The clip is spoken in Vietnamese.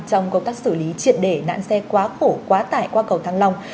trong công tác xử lý triệt để nạn xe quá khổ quá tải qua cầu thăng long